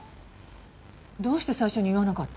どうして最初に言わなかったの？